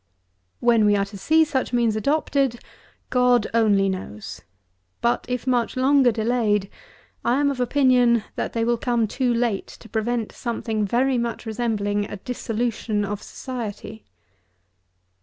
When we are to see such means adopted, God only knows; but, if much longer delayed, I am of opinion, that they will come too late to prevent something very much resembling a dissolution of society.